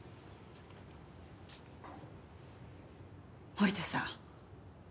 森田さん。